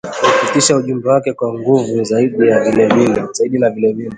kuupitisha ujumbe wake kwa nguvu zaidi na vilevile